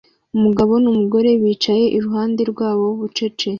Umugabo numugore bicaye iruhande rwabo bucece